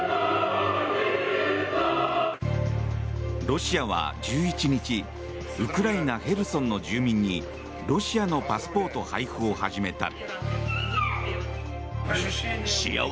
ロシアは１１日ウクライナ・ヘルソンの住民にロシアのパスポート配布を始めた。